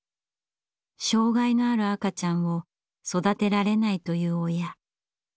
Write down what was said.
障害のある赤ちゃんを育てられないという親。